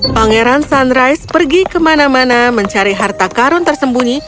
pangeran sunrise pergi kemana mana mencari harta karun tersembunyi